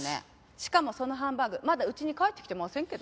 しかもそのハンバーグまだうちに帰ってきてませんけど。